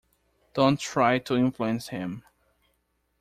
Don't try to influence him.